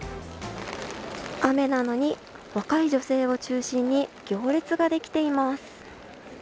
雨なのに、若い女性を中心に行列ができています。